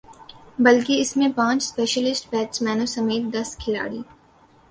بلکہ اس میں پانچ اسپیشلسٹ بیٹسمینوں سمیت دس کھلاڑی